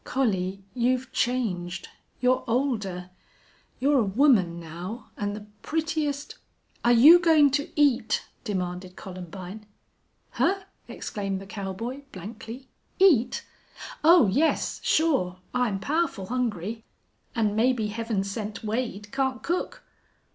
"Collie, you've changed. You're older. You're a woman, now and the prettiest " "Are you going to eat?" demanded Columbine. "Huh!" exclaimed the cowboy, blankly. "Eat? Oh yes, sure. I'm powerful hungry. And maybe Heaven Sent Wade can't cook!"